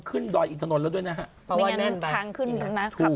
ดอยอินทนนท์แล้วด้วยนะฮะเพราะว่าแน่นทางขึ้นนะครับ